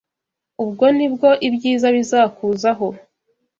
Ubwo ni bwo ibyiza bizakuzaho